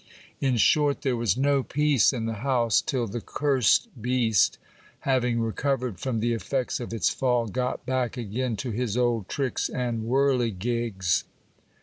In short, there was no peace in the house, till the cursed beast, hav ing recovered from the effects of its fall, got back again to his old tricks and whirligigs.